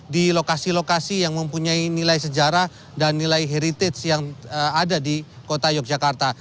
di lokasi lokasi yang mempunyai nilai sejarah dan nilai heritage yang ada di kota yogyakarta